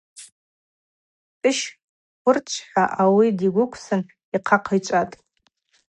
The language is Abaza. Кӏтӏыщ хвырчвхӏва ауи дигвыквсын йхъа хъичӏватӏ.